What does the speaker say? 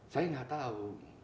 saya gak tahu